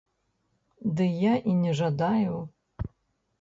Ды я і не жадаю.